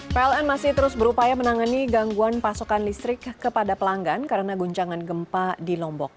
pln masih terus berupaya menangani gangguan pasokan listrik kepada pelanggan karena guncangan gempa di lombok